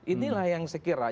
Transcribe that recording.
inilah yang sekira